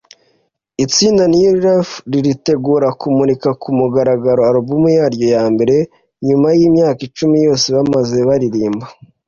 Itsinda New Life riritegura kumurika ku mugaragaro Album yaryo ya mbere nyuma y’imyaka icumi yose bamaze baririmba